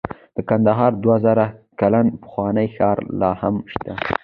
د کندهار دوه زره کلن پخوانی ښار لاهم شته